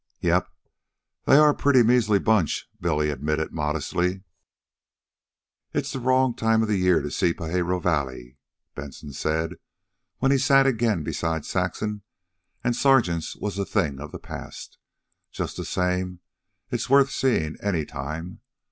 "Yep, they are a pretty measly bunch," Billy admitted modestly. "It's the wrong time of the year to see Pajaro Valley," Benson said, when he again sat beside Saxon and Sargent's was a thing of the past. "Just the same, it's worth seeing any time.